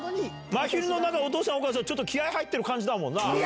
まひるのお父さん、お母さん、ちょっと気合い入ってる感じだもんな。